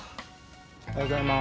おはようございます。